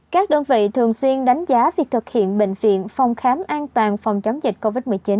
các đơn vị thường xuyên đánh giá việc thực hiện bệnh viện phòng khám an toàn phòng chống dịch covid một mươi chín